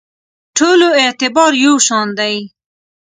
ټولو اعتبار یو شان دی.